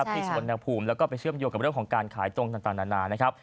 ติดต่านาภูมิแล้วไปเชื่อมโยงกับเรื่องของการขายตรงสำคมต่าง